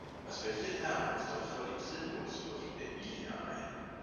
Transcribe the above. Was wir hier lernen ist doch völlig sinnlos, wirft Emilia ein.